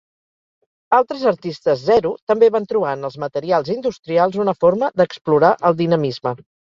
Altres artistes Zero també van trobar en els materials industrials una forma d’explorar el dinamisme.